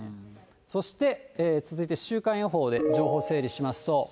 そして続いて週間予報で情報整理しますと。